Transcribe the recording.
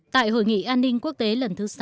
tại hội nghị an ninh quốc tế lần thứ sáu